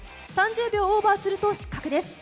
３０秒オーバーすると失格です。